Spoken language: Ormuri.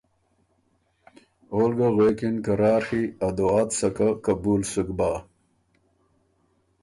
اول ګه غوېکِن که راڒی سکه ا دعا ت سکه قبول سُک بۀ